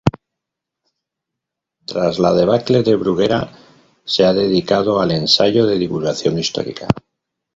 Tras la debacle de Bruguera, se ha dedicado al ensayo de divulgación histórica.